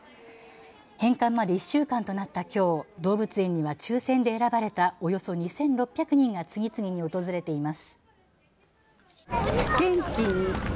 返還まで１週間となったきょう動物園には抽せんで選ばれたおよそ２６００人が次々に訪れています。